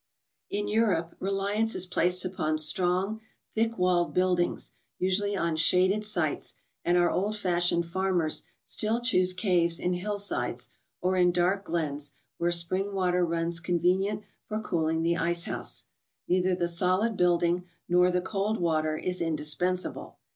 In Europe, reliance is placed upon strong, thick walled buildings, usually on shaded sites ; and our old fashioned farmers still choose caves in hill sides, or in dark glens, where spring water runs convenient for cooling the ice¬ house. Neither the solid building, nor the cold water is indispensable.